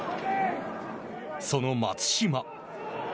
その松島。